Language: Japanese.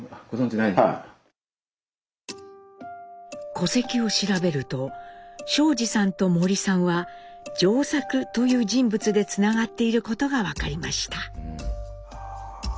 戸籍を調べると昭二さんと森さんは「丈作」という人物でつながっていることが分かりました。